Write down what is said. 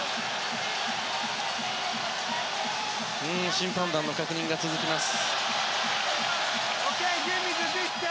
審判団の確認が続きます。